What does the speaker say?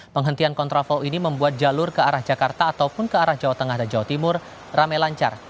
penghentian kontraflow ini membuat jalur ke arah jakarta ataupun ke arah jawa tengah dan jawa timur rame lancar